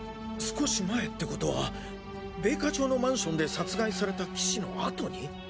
少し前ってことは米花町のマンションで殺害された棋士の後に！？